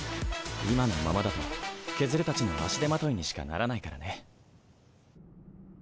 今のままだとケズルたちの足手まといにしかならないからね